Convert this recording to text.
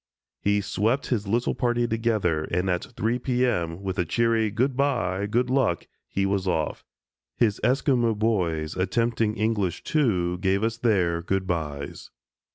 He swept his little party together and at three P. M., with a cheery "Good by! Good Luck!" he was off. His Esquimo boys, attempting English, too, gave us their "Good bys."